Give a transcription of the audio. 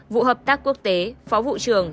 vụ hợp tác quốc tế phó vụ trưởng